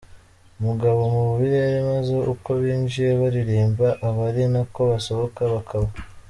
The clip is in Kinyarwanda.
mugabo mu birere maze uko binjiye baririmba aba ari nako basohoka, bakaba.